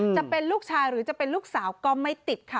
จะเป็นลูกชายหรือจะเป็นลูกสาวก็ไม่ติดค่ะ